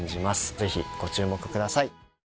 ぜひご注目ください